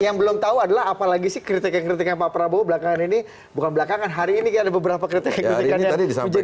yang belum tahu adalah apalagi sih kritik kritiknya pak prabowo belakangan ini bukan belakangan hari ini ada beberapa kritik kritiknya